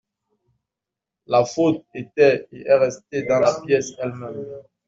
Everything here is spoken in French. La faute était et est restée dans la pièce elle-même.